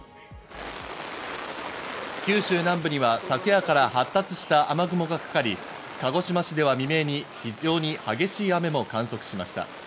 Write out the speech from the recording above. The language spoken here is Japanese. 九州南部には昨夜から発達した雨雲がかかり、鹿児島市では未明に、非常に激しい雨も観測しました。